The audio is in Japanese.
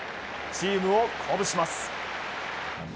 チームを鼓舞します。